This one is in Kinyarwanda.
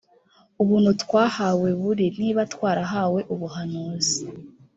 ubuntu twahawe buri niba twarahawe ubuhanuzi